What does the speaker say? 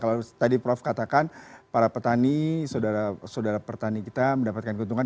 kalau tadi prof katakan para petani saudara petani kita mendapatkan keuntungan